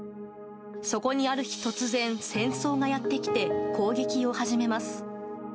そこにある日、突然戦争がやってきて攻撃を始めます。